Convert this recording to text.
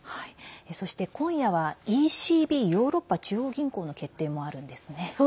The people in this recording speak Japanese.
そして、今夜はＥＣＢ＝ヨーロッパ中央銀行の決定もあるんですね。